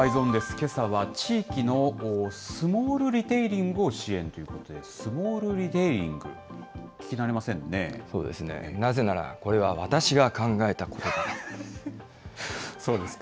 けさは地域のスモールリテイリングを支援ということで、スモールなぜなら、これは私が考えたそうですか。